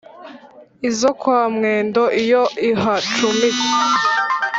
Izo kwa Mwendo, iyo ihacumise,